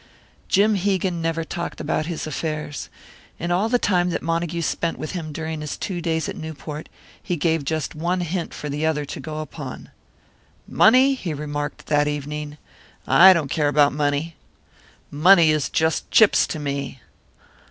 Jim Hegan never talked about his affairs. In all the time that Montague spent with him during his two days at Newport, he gave just one hint for the other to go upon. "Money?" he remarked, that evening. "I don't care about money. Money is just chips to me."